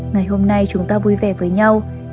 ngày hôm nay chúng ta vui vẻ với nhau